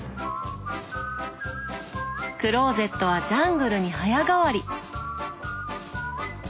クローゼットはジャングルに早変わり。